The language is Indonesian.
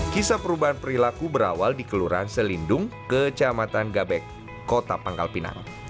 kisah perubahan perilaku berawal di kelurahan selindung kecamatan gabek kota pangkal pinang